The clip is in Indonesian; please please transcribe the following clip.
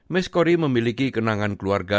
miss corey memiliki kenangan keluarga